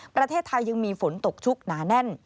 ประเทศไทยยังมีฝนตกชุกหนาแน่น